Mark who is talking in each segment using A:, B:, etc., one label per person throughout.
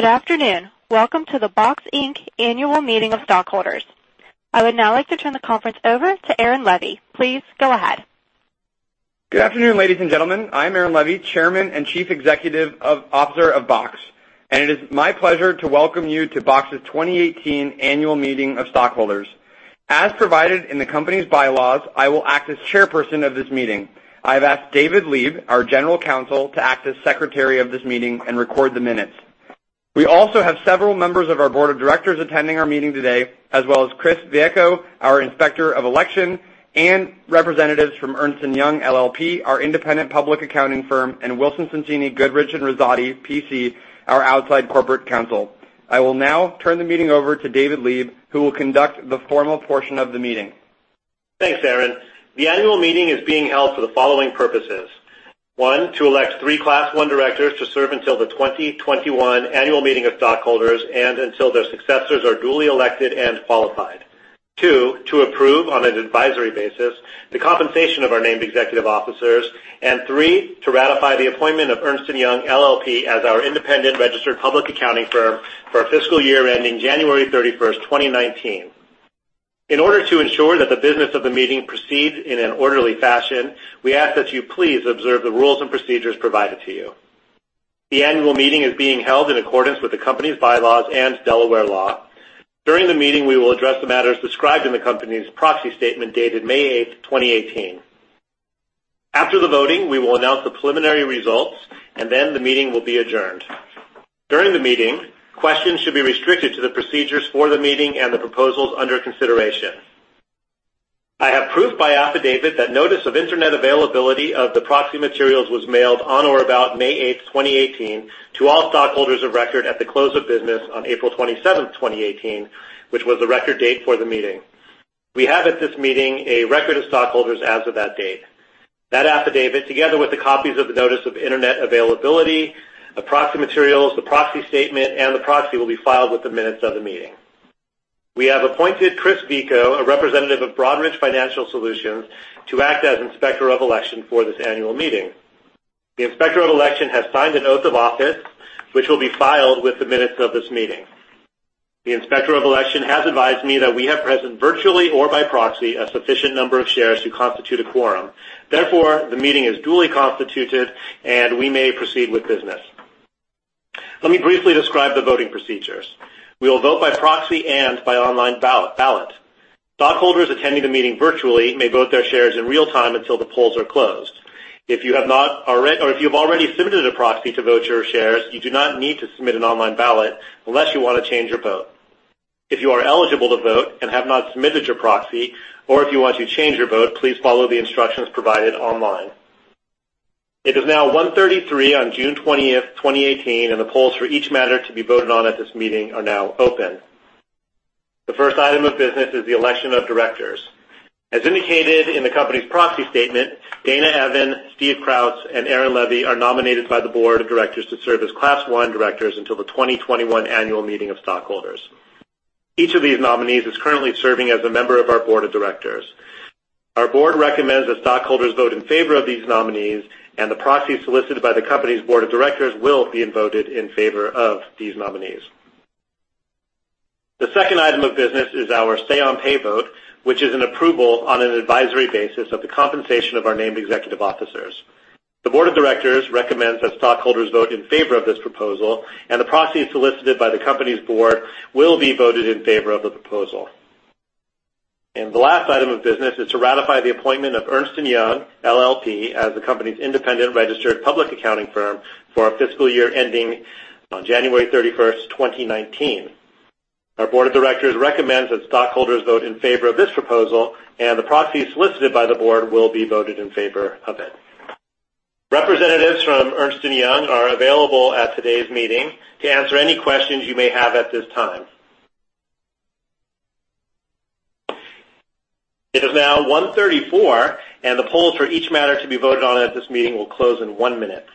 A: Good afternoon. Welcome to the Box, Inc. Annual Meeting of Stockholders. I would now like to turn the conference over to Aaron Levie. Please go ahead.
B: Good afternoon, ladies and gentlemen. I'm Aaron Levie, Chairman and Chief Executive Officer of Box, and it is my pleasure to welcome you to Box's 2018 Annual Meeting of Stockholders. As provided in the company's bylaws, I will act as chairperson of this meeting. I've asked David Leeb, our general counsel, to act as secretary of this meeting and record the minutes. We also have several members of our board of directors attending our meeting today, as well as Chris Vecchio, our Inspector of Election, and representatives from Ernst & Young LLP, our independent public accounting firm, and Wilson Sonsini Goodrich & Rosati, P.C., our outside corporate counsel. I will now turn the meeting over to David Leeb, who will conduct the formal portion of the meeting.
C: Thanks, Aaron. The annual meeting is being held for the following purposes. 1, to elect three Class I directors to serve until the 2021 annual meeting of stockholders and until their successors are duly elected and qualified. 2, to approve on an advisory basis the compensation of our named executive officers. 3, to ratify the appointment of Ernst & Young LLP as our independent registered public accounting firm for our fiscal year ending January 31, 2019. In order to ensure that the business of the meeting proceeds in an orderly fashion, we ask that you please observe the rules and procedures provided to you. The annual meeting is being held in accordance with the company's bylaws and Delaware law. During the meeting, we will address the matters described in the company's proxy statement dated May 8, 2018. After the voting, we will announce the preliminary results, then the meeting will be adjourned. During the meeting, questions should be restricted to the procedures for the meeting and the proposals under consideration. I have proof by affidavit that notice of internet availability of the proxy materials was mailed on or about May 8, 2018, to all stockholders of record at the close of business on April 27, 2018, which was the record date for the meeting. We have at this meeting a record of stockholders as of that date. That affidavit, together with the copies of the notice of internet availability, the proxy materials, the proxy statement, and the proxy will be filed with the minutes of the meeting. We have appointed Chris Vecchio, a representative of Broadridge Financial Solutions, Inc., to act as Inspector of Election for this annual meeting. The Inspector of Election has signed an oath of office, which will be filed with the minutes of this meeting. The Inspector of Election has advised me that we have present virtually or by proxy a sufficient number of shares to constitute a quorum. Therefore, the meeting is duly constituted, and we may proceed with business. Let me briefly describe the voting procedures. We will vote by proxy and by online ballot. Stockholders attending the meeting virtually may vote their shares in real time until the polls are closed. If you have already submitted a proxy to vote your shares, you do not need to submit an online ballot unless you want to change your vote. If you are eligible to vote and have not submitted your proxy, or if you want to change your vote, please follow the instructions provided online. It is now 1:33 P.M. on June 20th, 2018. The polls for each matter to be voted on at this meeting are now open. The first item of business is the election of directors. As indicated in the company's proxy statement, Dana Evan, Steve Krausz, and Aaron Levie are nominated by the board of directors to serve as Class I directors until the 2021 annual meeting of stockholders. Each of these nominees is currently serving as a member of our board of directors. Our board recommends that stockholders vote in favor of these nominees. The proxies solicited by the company's board of directors will be voted in favor of these nominees. The second item of business is our say on pay vote, which is an approval on an advisory basis of the compensation of our named executive officers. The board of directors recommends that stockholders vote in favor of this proposal. The proxies solicited by the company's board will be voted in favor of the proposal. The last item of business is to ratify the appointment of Ernst & Young LLP as the company's independent registered public accounting firm for our fiscal year ending on January 31st, 2019. Our board of directors recommends that stockholders vote in favor of this proposal. The proxies solicited by the board will be voted in favor of it. Representatives from Ernst & Young are available at today's meeting to answer any questions you may have at this time. It is now 1:34 P.M., and the polls for each matter to be voted on at this meeting will close in one minute.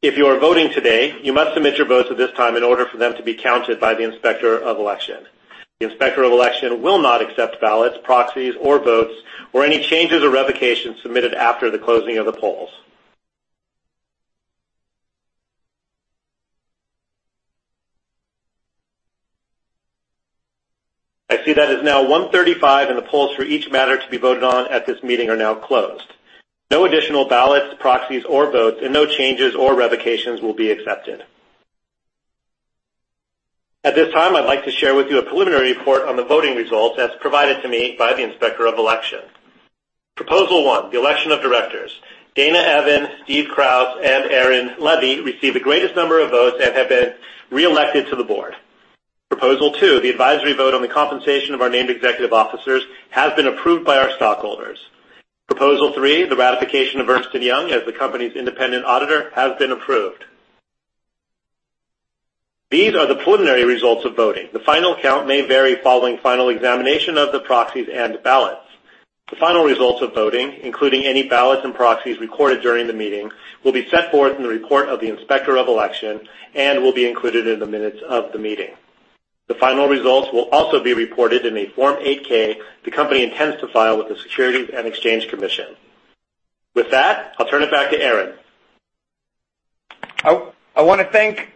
C: If you are voting today, you must submit your votes at this time in order for them to be counted by the Inspector of Election. The Inspector of Election will not accept ballots, proxies, or votes, or any changes or revocations submitted after the closing of the polls. I see that is now 1:35 P.M. The polls for each matter to be voted on at this meeting are now closed. No additional ballots, proxies, or votes. No changes or revocations will be accepted. At this time, I'd like to share with you a preliminary report on the voting results as provided to me by the Inspector of Election. Proposal one, the election of directors. Dana Evan, Steve Krausz, and Aaron Levie received the greatest number of votes and have been reelected to the board. Proposal 2, the advisory vote on the compensation of our named executive officers, has been approved by our stockholders. Proposal 3, the ratification of Ernst & Young as the company's independent auditor, has been approved. These are the preliminary results of voting. The final count may vary following final examination of the proxies and ballots. The final results of voting, including any ballots and proxies recorded during the meeting, will be set forth in the report of the Inspector of Election and will be included in the minutes of the meeting. The final results will also be reported in a Form 8-K the company intends to file with the Securities and Exchange Commission. With that, I'll turn it back to Aaron.
B: I want to thank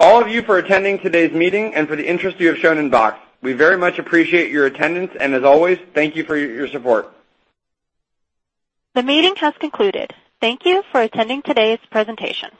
B: all of you for attending today's meeting and for the interest you have shown in Box. We very much appreciate your attendance, and as always, thank you for your support.
A: The meeting has concluded. Thank you for attending today's presentation.